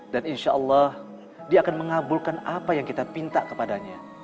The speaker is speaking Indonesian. dan insya allah dia akan mengabulkan apa yang kita pinta kepadanya